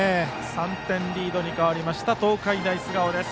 ３点リードに変わりました東海大菅生です。